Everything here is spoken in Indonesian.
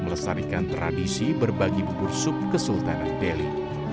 melestarikan tradisi berbagi bubur sup ke sultan delhi